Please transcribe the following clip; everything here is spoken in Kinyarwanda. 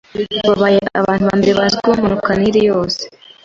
babaye abantu ba mbere bazwi bamanuka Nil yose